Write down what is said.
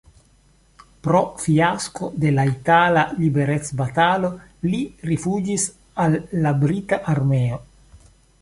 Pro fiasko de la itala liberecbatalo li rifuĝis al la brita armeo.